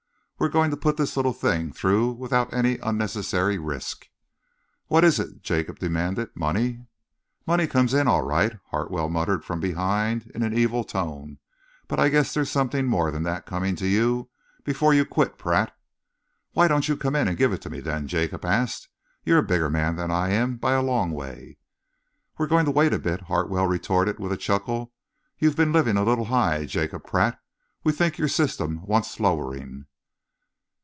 We are going to put this little thing through without any unnecessary risk." "What is it?" Jacob demanded. "Money?" "Money comes in all right," Hartwell muttered from behind, in an evil tone, "but I guess there's something more than that coming to you before you quit, Pratt." "Why don't you come in and give it me, then?" Jacob asked. "You're a bigger man than I am, by a long way." "We're going to wait a bit," Hartwell retorted with a chuckle. "You've been living a little high, Jacob Pratt. We think your system wants lowering."